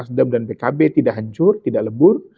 nasdem dan pkb tidak hancur tidak lebur